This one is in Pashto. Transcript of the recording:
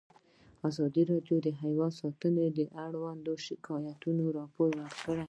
ازادي راډیو د حیوان ساتنه اړوند شکایتونه راپور کړي.